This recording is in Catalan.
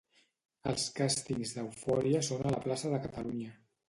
Els càstings d'Eufòria són a la plaça de Catalunya.